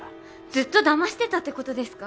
ずっと騙してたってことですか！